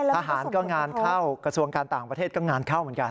ทหารก็งานเข้ากระทรวงการต่างประเทศก็งานเข้าเหมือนกัน